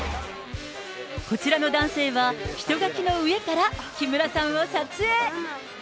こちらの男性は人垣の上から木村さんを撮影。